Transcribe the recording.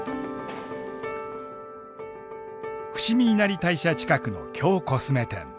伏見稲荷大社近くの京コスメ店。